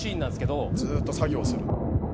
「ずっと作業をする」